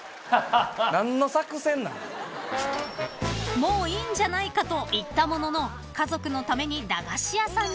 ［「もういいんじゃないか」と言ったものの家族のために駄菓子屋さんに］